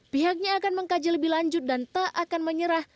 pihaknya akan mengkaji lebih lanjut dan tak akan menyerah